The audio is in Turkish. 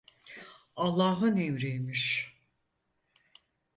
Allahın emriymiş…